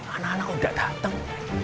anak anak udah dateng